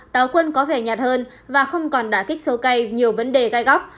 táo quân có vẻ nhạt hơn và không còn đã kích sâu cây nhiều vấn đề gai góc